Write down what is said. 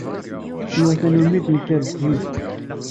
Yuɣ tanumi yettenkar-d zik.